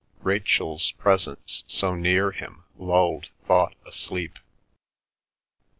Rachel's presence so near him lulled thought asleep.